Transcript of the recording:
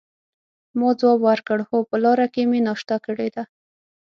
ما ځواب ورکړ: هو، په لاره کې مې ناشته کړې ده.